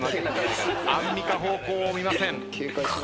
アンミカ方向を見ません。